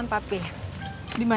kamu mau ke rumah